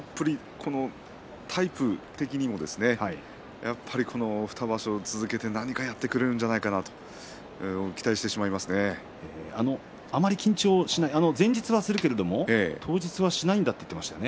このタイプ的にもやっぱり２場所続けて何かやってくれるんじゃないかなとあまり緊張しない前日はするけど当日はしないと言っていましたね。